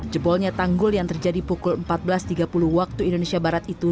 jebolnya tanggul yang terjadi pukul empat belas tiga puluh waktu indonesia barat itu